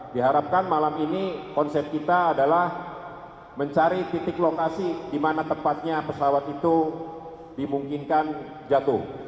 diharapkan malam ini konsep kita adalah mencari titik lokasi di mana tepatnya pesawat itu dimungkinkan jatuh